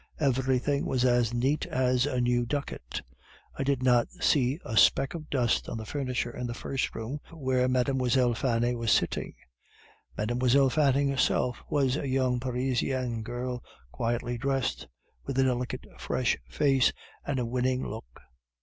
Everything was as neat as a new ducat. I did not see a speck of dust on the furniture in the first room, where Mlle. Fanny was sitting. Mlle. Fanny herself was a young Parisian girl, quietly dressed, with a delicate fresh face, and a winning look.